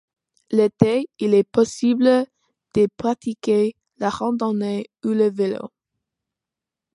L'été, il est possible d'y pratiquer la randonnée ou le vélo.